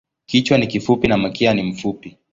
Kichwa ni kifupi na mkia ni mfupi.